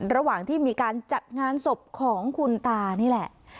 ระหว่างที่มีการจัดงานศพของคุณตานี่แหละ